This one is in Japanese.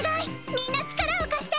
みんな力を貸して！